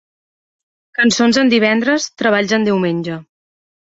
Cançons en divendres, treballs en diumenge.